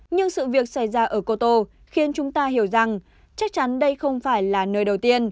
nhưng sự việc xảy ra ở cô tô khiến chúng ta hiểu rằng chắc chắn đây không phải là nơi đầu tiên